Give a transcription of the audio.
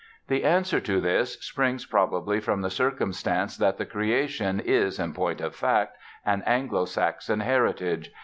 The answer to this springs probably from the circumstance that "The Creation" is, in point of fact, an Anglo Saxon heritage.